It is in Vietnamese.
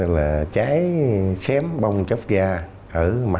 là trái xém bông chốc da